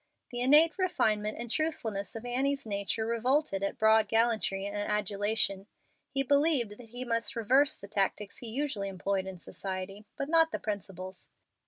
The innate refinement and truthfulness of Annie's nature revolted at broad gallantry and adulation. He believed that he must reverse the tactics he usually employed in society, but not the principles.